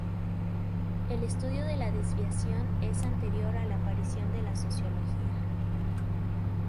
El estudio de la desviación es anterior a la aparición de la sociología.